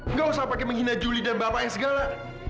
nggak usah pakai menghina juli dan bapak yang segala